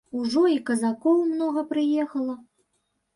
Ужо і казакоў многа прыехала.